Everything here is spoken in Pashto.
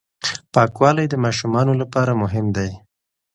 پاکوالی د ماشومانو لپاره مهم دی.